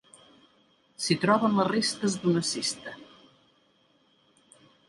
S'hi troben les restes d'una cista.